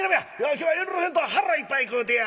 今日は遠慮せんと腹いっぱい食うてや」。